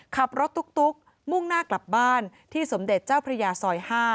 ขับรถตุ๊กมุ่งหน้ากลับบ้านที่สมเด็จเจ้าพระยาซอย๕